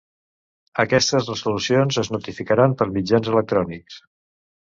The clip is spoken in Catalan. Aquestes resolucions es notificaran per mitjans electrònics.